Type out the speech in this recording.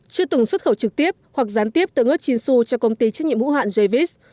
chưa từng xuất khẩu trực tiếp hoặc gián tiếp tương ớt chinsu cho công ty trách nhiệm hữu hạn javis